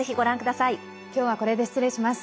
今日はこれで失礼します。